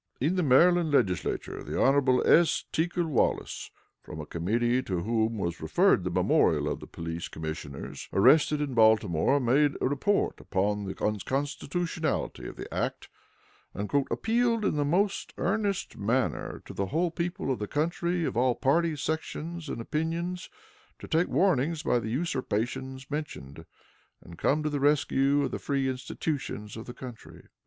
In the Maryland Legislature, the Hon. S. Teacle Wallis, from a committee to whom was referred the memorial of the police commissioners arrested in Baltimore, made a report upon the unconstitutionality of the act, and "appealed in the most earnest manner to the whole people of the country, of all parties, sections, and opinions, to take warnings by the usurpations mentioned, and come to the rescue of the free institutions of the country."